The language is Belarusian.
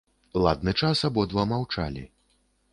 Ладны час абодва маўчалі.